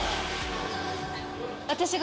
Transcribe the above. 私が。